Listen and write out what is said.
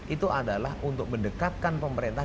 itu adalah untuk mendekatkan pemerintah